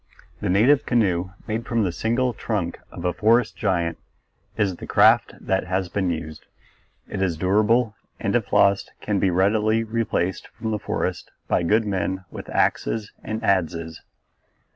The native canoe made from the single trunk of a forest giant is the craft that has been used. It is durable and if lost can be readily replaced from the forest by good men with axes and adzes.